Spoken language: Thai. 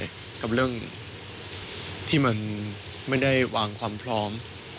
กับเรื่องที่มันไม่ได้วางความพร้อม